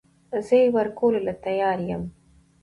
زه يې ورکولو ته تيار يم .